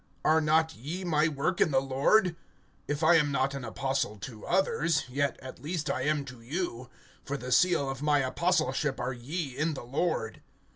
Are not ye my work in the Lord? (2)If I am not an apostle to others, yet at least I am to you; for the seal of my apostleship are ye in the Lord.